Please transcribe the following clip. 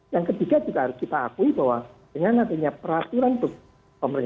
yang ketiga juga harus kita akui bahwa dengan adanya peraturan pemerintah